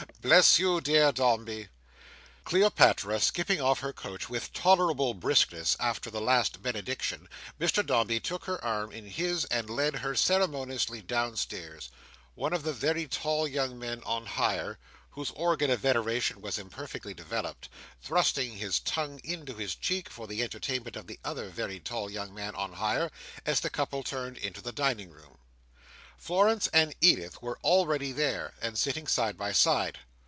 Bless you, dear Dombey!" Cleopatra skipping off her couch with tolerable briskness, after the last benediction, Mr Dombey took her arm in his and led her ceremoniously downstairs; one of the very tall young men on hire, whose organ of veneration was imperfectly developed, thrusting his tongue into his cheek, for the entertainment of the other very tall young man on hire, as the couple turned into the dining room. Florence and Edith were already there, and sitting side by side.